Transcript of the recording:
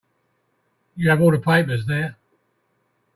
You have all the papers there.